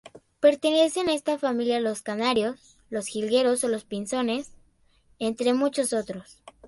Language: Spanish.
Pertenecen a esta familia los canarios, los jilgueros o los pinzones, entre muchos otros.